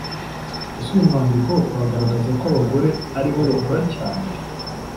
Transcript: Ese uyu mwandikiko uragaraza ko abagore aribo bakora cyane?